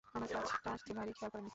আমার ক্লাচটা যে ভারি, খেয়াল করেননি?